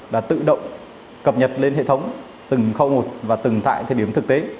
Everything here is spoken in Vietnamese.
đã tự động cập nhật lên hệ thống từng khâu một và từng tại thời điểm thực tế